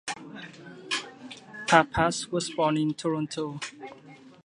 Pappas was born in Toronto.